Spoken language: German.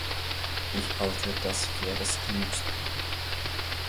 Ich halte das für das klügste.